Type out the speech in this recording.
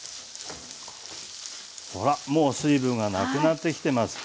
ほらもう水分がなくなってきてます。